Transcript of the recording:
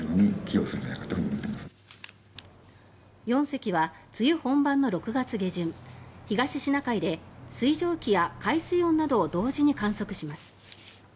４隻は梅雨本番の６月下旬東シナ海で水蒸気や海水温などを同時に観測します。